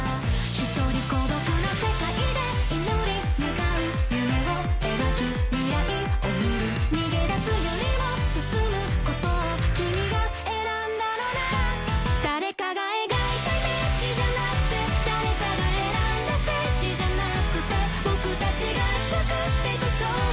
一人孤独な世界で祈り願う夢を描き未来を見る逃げ出すよりも進むことを君が選んだのなら誰かが描いたイメージじゃなくて誰かが選んだステージじゃなくて僕たちが作っていくストーリー